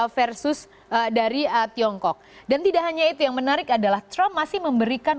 versus dari tiongkok dan tidak hanya itu yang menarik adalah trump masih memberikan